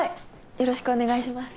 よろしくお願いします。